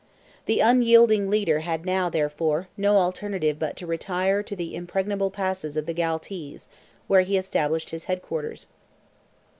The unyielding leader had now, therefore, no alternative but to retire into the impregnable passes of the Galtees, where he established his head quarters.